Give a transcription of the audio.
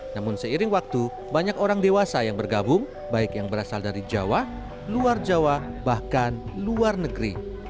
namun seiring waktu banyak orang dewasa yang bergabung baik yang berasal dari jawa luar jawa bahkan luar negeri